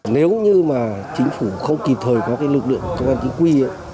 nếu như mà chính phủ không kịp thời có lực lượng công an chính quy